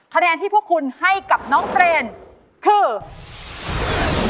คะแนนที่พวกคุณให้กับน้องเฟรนคือ